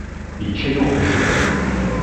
Ičča-yi uqjun.